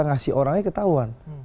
ngasih orangnya ketahuan